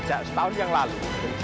jadi setahun yang lalu